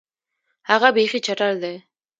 هغه بیخي چټل دی.